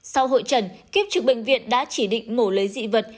sau hội trần kiếp trực bệnh viện đã chỉ định mổ lấy dị vật